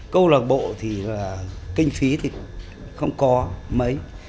câu lạc bộ thì là kinh phí thì không có mấy